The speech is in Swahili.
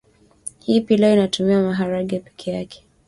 Hii pilau inatumia maharage peke yake